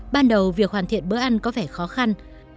ban đầu việc hoàn thiện bữa ăn có vẻ khó khăn